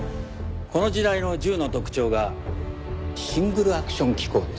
この時代の銃の特徴がシングルアクション機構です。